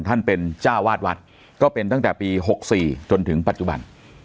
ท่านจะเป็นจ้าวาสเวลาก็เป็นตั้งแต่๖๔ปีจนถึงปัจจุบัน